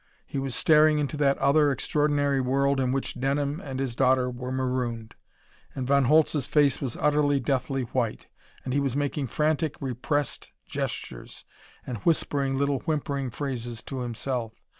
He was staring into that other, extraordinary world in which Denham and his daughter were marooned. And Von Holtz's face was utterly, deathly white, and he was making frantic, repressed gestures, and whispering little whimpering phrases to himself.